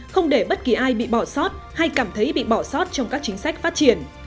không để bất kỳ ai bị bỏ sót hay cảm thấy bị bỏ sót trong các chính sách phát triển